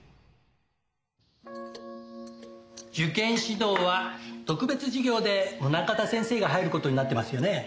受験指導は特別授業で宗方先生が入る事になってますよね？